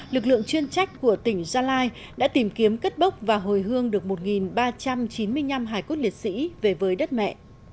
lực lượng chuyên trách của tỉnh gia lai đã tìm kiếm cất bốc và hồi hương được một ba trăm chín mươi năm hải cốt liệt sĩ về với đất mẹ